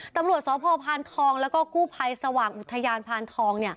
ตำรวจศพพานทองและกู้ไพสว่างอุทยานพานทอง